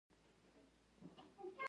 دا يـتـيـمـان وشمارئ